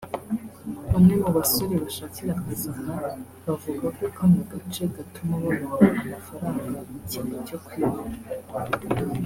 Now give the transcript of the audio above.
bamwe mu basore bashakira akazi aha bavuga ko kano gace gatuma babona amafaranga mu kimbo cyo kwiba